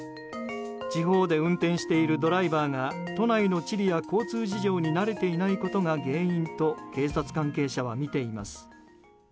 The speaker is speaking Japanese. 地方で運転しているドライバーが都内の地理や交通事情に慣れていないことが原因と警察関係者はみています。